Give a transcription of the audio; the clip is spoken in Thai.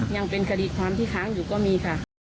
ยังเป็นคดีความที่ค้างอยู่ก็มีค่ะ